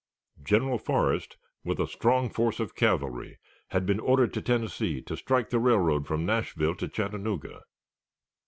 General Forrest, with a strong force of cavalry, had been ordered to Tennessee to strike the railroad from Nashville to Chattanooga.